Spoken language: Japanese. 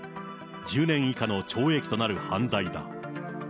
１０年以下の懲役となる犯罪だ。